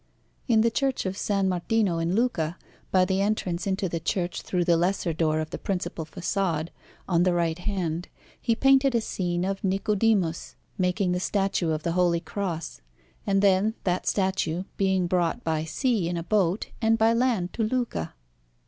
In the Church of S. Martino in Lucca, by the entrance into the church through the lesser door of the principal façade, on the right hand, he painted a scene of Nicodemus making the statue of the Holy Cross, and then that statue being brought by sea in a boat and by land to Lucca.